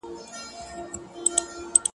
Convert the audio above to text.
• چي بنده کله مغروره په خپل ځان سي -